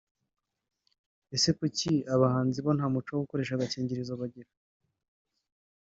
"Ese kuki abahanzi bo nta muco wo gukoresha agakingirizo bagira"